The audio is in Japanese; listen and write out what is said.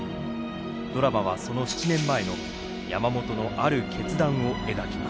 ドラマはその７年前の山本のある決断を描きます。